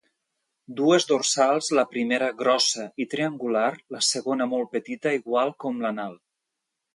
Dues dorsals, la primera grossa i triangular, la segona molt petita, igual com l'anal.